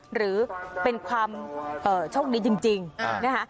หรือเป็นความโชคดีจริงนะคะ